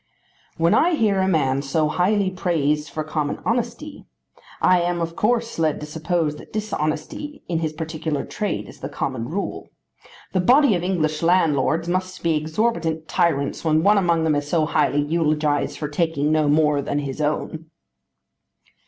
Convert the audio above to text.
"When I hear a man so highly praised for common honesty I am of course led to suppose that dishonesty in his particular trade is the common rule. The body of English landlords must be exorbitant tyrants when one among them is so highly eulogised for taking no more than his own."